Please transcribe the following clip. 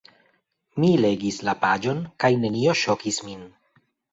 Mi legis la paĝon kaj nenio ŝokis min.